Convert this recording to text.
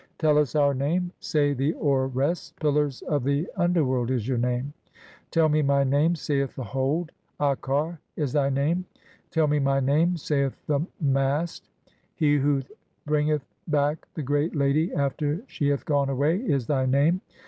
"Tell us our name," say the Oar rests ; "Pillars of the under "world" is your name. "Tell me (14) my name," saith the Hold ; "Akar" is thy name. "Tell me my name," saith the Mast ; (15) "He who bringeth "back the great lady after she hath gone away" is thy name.